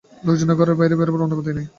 লোকজনের ঘরের বাইরে বেরুবার অনুমতি নেই।